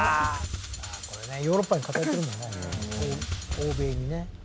欧米にね。